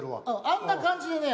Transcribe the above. あんな感じでね